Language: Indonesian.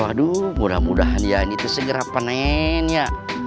aduh mudah mudahan dia ini itu segera penennya